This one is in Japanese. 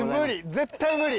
絶対無理！